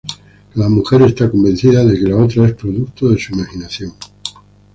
Cada mujer está convencida de que la otra es producto de su imaginación.